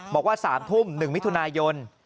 บอกว่า๓ทุ่ม๑มิถุนายน